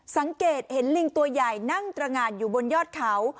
สังเกตเห็นลิงตัวใหญ่นั่งตรงานอยู่บนยอดเขา